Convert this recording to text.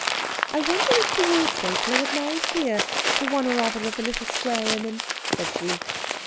"I wonder if the woolstapler was married here to one or other of the little square women," said she.